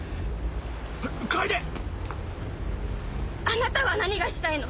あなたは何がしたいの？